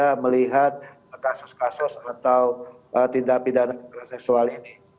bagaimana melihat kasus kasus atau tindak pidana kekerasan seksual ini